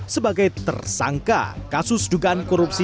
sebagai tersangka kasus dugaan korupsi